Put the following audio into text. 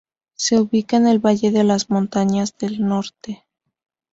Se ubica en el valle de las Montañas del Norte.